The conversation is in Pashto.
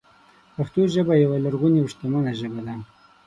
پښتو ژبه یوه لرغونې او شتمنه ژبه ده.